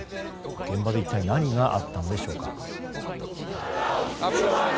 現場で一体何があったのでしょうか。